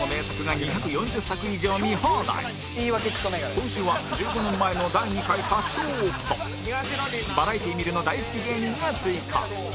今週は１５年前の第２回立ちトーークとバラエティ観るの大好き芸人が追加